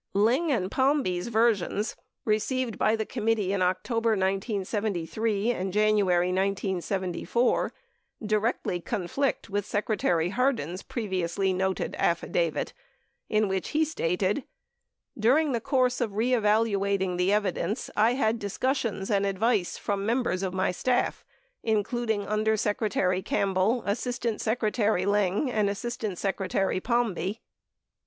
Lyng and Palmby's versions, received by the committee in October 1973 and January 1974, directly conflict with Secretary Hardin's pre viously noted affidavit, in which he stated : During the course of reevaluating the evidence, I had dis cussions and advice from members of my staff, including Under Secretary Campbell, Assistant Secretary Lyng, and Assistant Secretary Palmby.